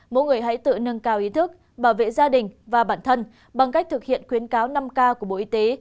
mỗi người hãy tự nâng cao ý thức bảo vệ gia đình và bản thân bằng cách thực hiện khuyến cáo năm k của bộ y tế